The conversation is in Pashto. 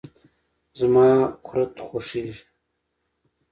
زما قورت خوشیزی.